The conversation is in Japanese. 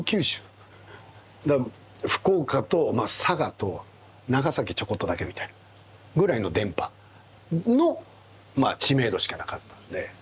だから福岡と佐賀と長崎ちょこっとだけみたいなぐらいの電波の知名度しかなかったのではい。